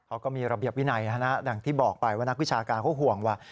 เขาก็มีระเบียบวินัยอย่างที่บอกไปว่านักวิชาการเขาห่วงว่า